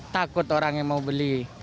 takut orang yang mau beli